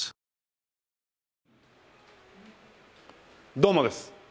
どうもです。